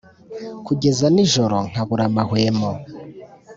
kugeza nijoro nkabura amahwemo